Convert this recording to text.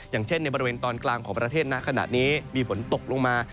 อย่างเช่นในบริเวณตอนกลางของประเทศณขณะนี้มีฝนตกลงมา